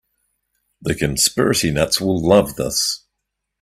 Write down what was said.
The conspiracy nuts will love this.